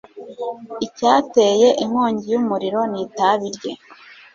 Icyateye inkongi yumuriro ni itabi rye.